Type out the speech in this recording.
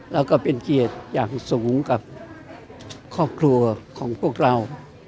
แล้วก็เป็นเกียรติอย่างสูงกับครอบครัวของพวกเรา